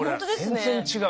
全然違う。